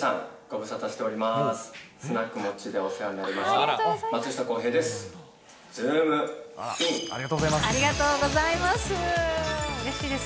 ありがとうございます。